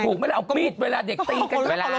ถูกไหมล่ะเอาปีดเวลาเด็กตีกันเวลา